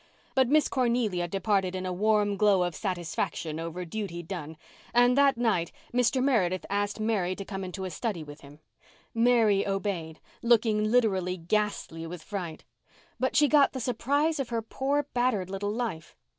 But Miss Cornelia departed in a warm glow of satisfaction over duty done, and that night Mr. Meredith asked Mary to come into his study with him. Mary obeyed, looking literally ghastly with fright. But she got the surprise of her poor, battered little life.